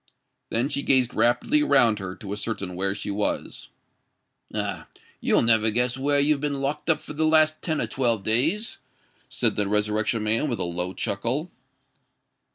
Then she gazed rapidly around her, to ascertain where she was. "Ah! you'll never guess where you've been locked up for the last ten or twelve days," said the Resurrection Man, with a low chuckle.